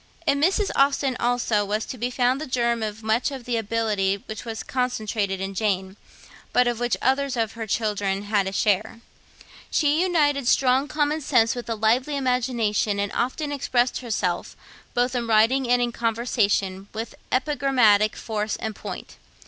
In Mrs. Austen also was to be found the germ of much of the ability which was concentrated in Jane, but of which others of her children had a share. She united strong common sense with a lively imagination, and often expressed herself, both in writing and in conversation, with epigrammatic force and point.